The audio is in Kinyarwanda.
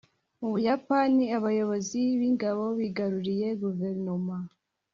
mu buyapani, abayobozi b'ingabo bigaruriye guverinoma